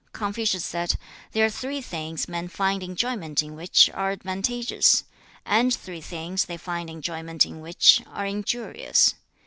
Confucius said, 'There are three things men find enjoyment in which are advantageous, and three things they find enjoyment in which are injurious.